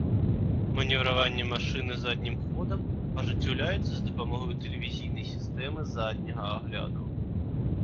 Манеўраванне машыны заднім ходам ажыццяўляецца з дапамогаю тэлевізійнай сістэмы задняга агляду.